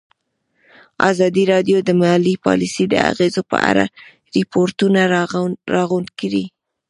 ازادي راډیو د مالي پالیسي د اغېزو په اړه ریپوټونه راغونډ کړي.